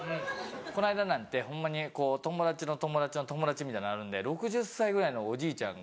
この間なんてホンマに友達の友達の友達みたいのあるんで６０歳ぐらいのおじいちゃんが。